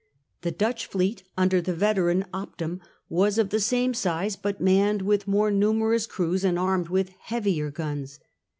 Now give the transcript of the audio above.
The Dutch fleet, under the veteran Opdam, was of the same size, but manned with more numerous crews and armed with heavier guns.